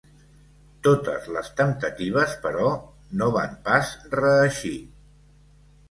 Totes les temptatives, però, no van pas reeixir.